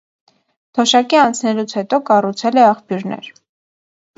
Թոշակի անցնելուց հետո կառուցել է աղբյուրներ։